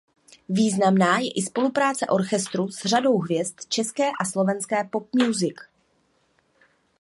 Významná je i spolupráce orchestru s řadou hvězd české a slovenské pop music.